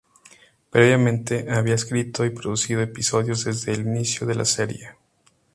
Previamente, había escrito y producido episodios desde el inicio de la serie.